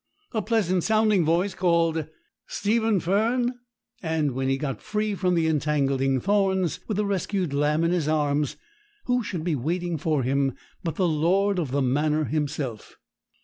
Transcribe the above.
A pleasant sounding voice called 'Stephen Fern!' and when he got free from the entangling thorns, with the rescued lamb in his arms, who should be waiting for him but the lord of the manor himself!